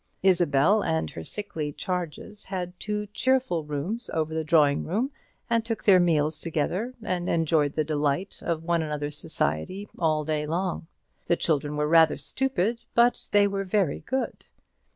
Isabel and her sickly charges had two cheerful rooms over the drawing room, and took their meals together, and enjoyed the delight of one another's society all day long. The children were rather stupid, but they were very good.